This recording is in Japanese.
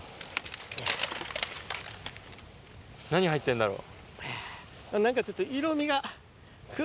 何入ってんだろう？